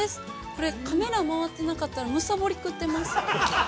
これ、カメラ回ってなかったらむさぼり食ってます。